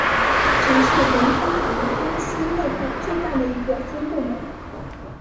曾是任天堂公司内部最大的一个分部门。